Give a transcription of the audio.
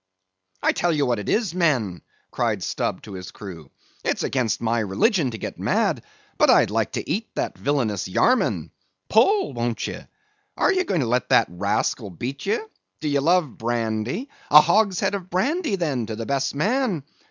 "I tell ye what it is, men"—cried Stubb to his crew—"it's against my religion to get mad; but I'd like to eat that villainous Yarman—Pull—won't ye? Are ye going to let that rascal beat ye? Do ye love brandy? A hogshead of brandy, then, to the best man.